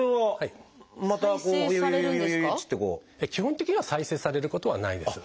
基本的には再生されることはないです。